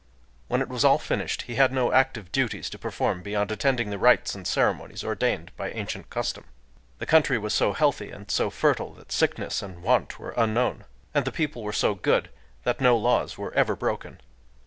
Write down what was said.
When it was all finished, he had no active duties to perform, beyond attending the rites and ceremonies ordained by ancient custom. The country was so healthy and so fertile that sickness and want were unknown; and the people were so good that no laws were ever broken.